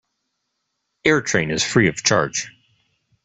AirTrain is free of charge.